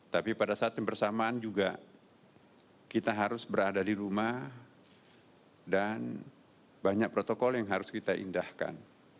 tapi pada saat yang bersamaan juga kita harus berada di rumah dan banyak protokol yang harus kita indahkan